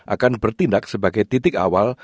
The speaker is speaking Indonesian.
akan bertindak sebagai titik awal